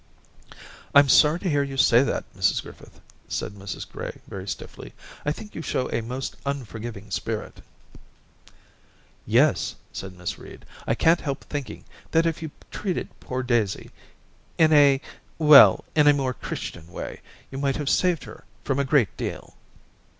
* Tm sorry to hear you say that, Mrs Grif fith,' said Mrs Gray very stiffly. * I think you show a most unforgiving spirit' 'Yes,* said Miss Reed; *I can't help thinking that if you'd treated poor Daisy in a — well, in a more Christian way, you might have saved her from a great deal.'